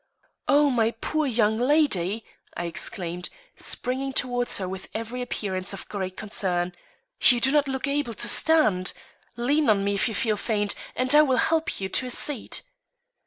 "Oh, my poor young lady," I exclaimed, springing towards her with every appearance of great concern. "You do not look able to stand. Lean on me if you feel faint, and I will help you to a seat."